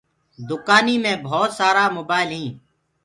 دُڪآنيٚ مي ڀوت سآرآ موبآئل هينٚ